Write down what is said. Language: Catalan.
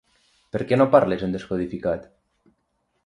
Per què no parles en descodificat?